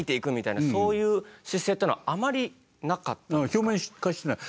表面化してない。